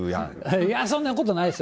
いや、そんなことないですよ。